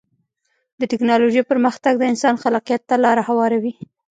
د ټکنالوجۍ پرمختګ د انسان خلاقیت ته لاره هواروي.